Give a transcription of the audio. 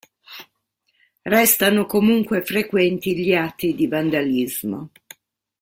Restano comunque frequenti gli atti di vandalismo.